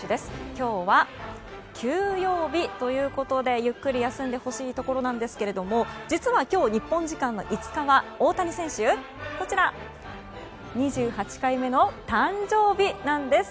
今日は休養日ということでゆっくり休んでほしいところですが実は今日、日本時間の５日は大谷選手２８回目の誕生日なんです！